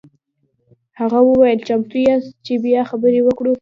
هغه وویل چمتو یاست چې بیا خبرې وکړو.